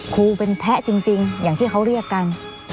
เป็นแพ้จริงอย่างที่เขาเรียกกัน